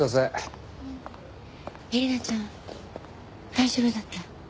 えりなちゃん大丈夫だった？